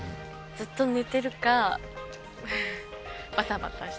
ずっと寝てるかバタバタしてる朝は。